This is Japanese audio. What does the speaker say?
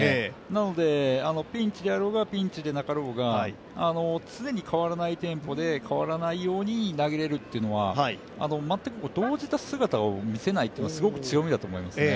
なのでピンチであろうが、ピンチでなかろうが常に変わらないテンポで変わらないように投げられるというのは全く動じた姿を見せないというのは、すごく強みだと思いますね。